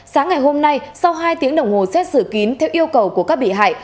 sáng ngày hôm nay sau hai tiếng đồng hồ xét xử kín theo yêu cầu của các bị hại